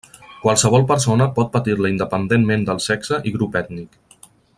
Qualsevol persona pot patir-la independentment del sexe i grup ètnic.